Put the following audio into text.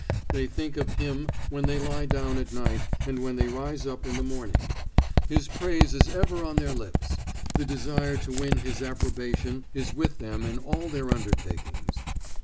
They think of Him when they lie down at night and when they rise up in the morning; his praise is ever on their lips; the desire to win his approbation is with them in all their undertakings.